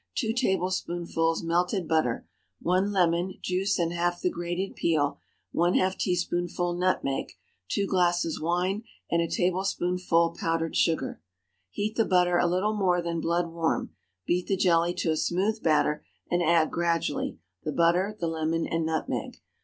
2 tablespoonfuls melted butter. 1 lemon—juice and half the grated peel. ½ teaspoonful nutmeg. 2 glasses wine, and a tablespoonful powdered sugar. Heat the butter a little more than blood warm; beat the jelly to a smooth batter and add gradually the butter, the lemon, and nutmeg.